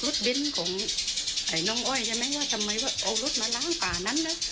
เบ้นของน้องอ้อยใช่ไหมว่าทำไมว่าเอารถมาล้างป่านั้นนะ